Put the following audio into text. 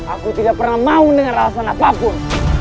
aku tidak pernah mau dengan alasan apapun